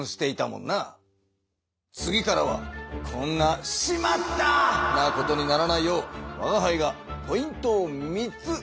次からはこんな「しまった！」なことにならないようわがはいがポイントを３つさずけよう。